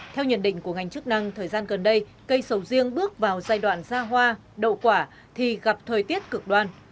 theo nhận định của ngành chức năng thời gian gần đây cây sầu riêng bước vào giai đoạn ra hoa đậu quả thì gặp thời tiết cực đoan